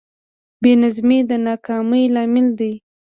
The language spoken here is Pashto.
بېنظمي د ناکامۍ لامل دی.